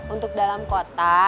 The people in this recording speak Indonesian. untuk dalam kota